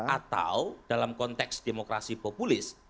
atau dalam konteks demokrasi populis